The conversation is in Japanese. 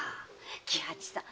喜八さん